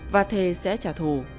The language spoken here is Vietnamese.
và thề sẽ trả thù